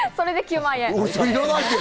それで９万円？